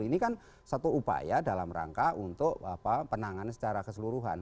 ini kan satu upaya dalam rangka untuk penanganan secara keseluruhan